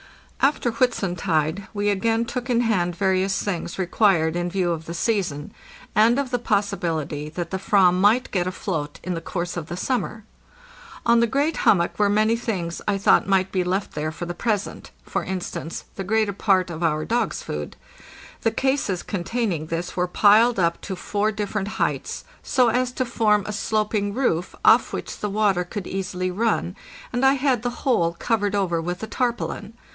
After Whitsuntide we again took in hand various things re quired in view of the season, and of the possibility that the /vam might get afloat in the course of the summer. On the great hummock were many things I thought might be left there for the present — for instance, the greater part of our dogs' food. The cases containing this were piled up to four different heights so as to forma sloping roof off which the water could easily run, and I had the whole covered over with. tarpaulin.